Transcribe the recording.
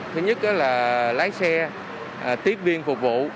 thứ nhất là lái xe tiếp viên phục vụ